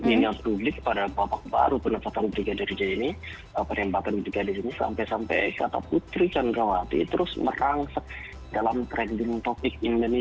ini yang publik pada babak baru penetapan berdiri dari jani penembakan berdiri dari jani sampai sampai putri candrawati terus merangsak